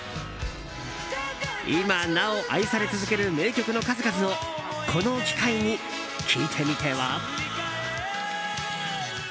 今なお愛され続ける名曲の数々をこの機会に聴いてみては？